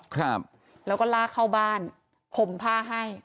ครับแล้วก็ลากเข้าบ้านห่มผ้าให้